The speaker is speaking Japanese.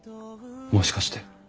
もしかして。